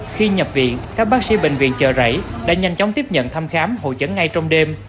khi nhập viện các bác sĩ bệnh viện chợ rẫy đã nhanh chóng tiếp nhận thăm khám hội chẩn ngay trong đêm